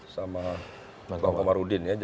sama pak komarudin